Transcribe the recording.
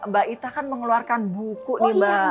mbak ita kan mengeluarkan buku nih mbak